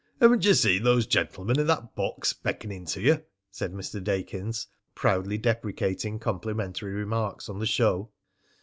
"Haven't you seen those gentlemen in that box beckoning to you?" said Mr. Dakins, proudly deprecating complimentary remarks on the show.